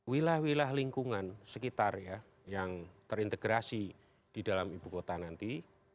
wilayah wilayah lingkungan sekitar ya yang terintegrasi di dalam ibu kota nanti